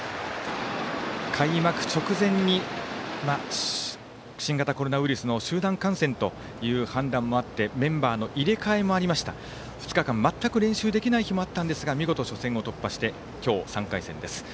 開幕直前に新型コロナウイルスの集団感染という判断もあってメンバーの入れ替えもありましたが２日間全く練習できない日もあったんですが見事、初戦を突破して今日、３回戦です。